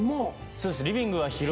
そうです。